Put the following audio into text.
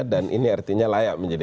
dan ini artinya layak menjadi